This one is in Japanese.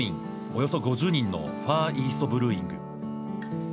およそ５０人のファーイーストブルーイング。